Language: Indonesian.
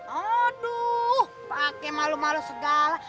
aduh pakai malu malu segala